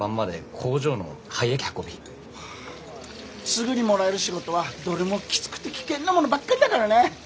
すぐにもらえる仕事はどれもきつくて危険なものばっかりだからね。